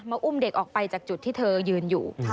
อุ้มเด็กออกไปจากจุดที่เธอยืนอยู่